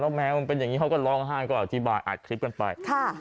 แมวมันเป็นอย่างนี้เขาก็ร้องไห้ก็อธิบายอัดคลิปกันไป